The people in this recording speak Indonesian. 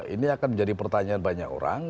ini akan menjadi pertanyaan banyak orang